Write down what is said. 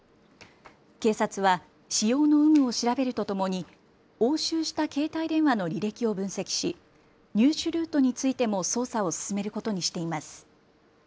警察は使用の有無を調べるとともに押収した携帯電話の履歴を分析し入手ルートについても捜査を進めることにしています。